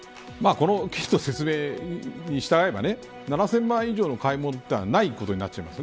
きちんと説明に従えば７０００万円以上の買い物はないことになります。